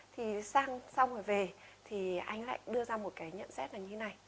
thì sang xong rồi về thì anh lại đưa ra một cái nhận xét là như này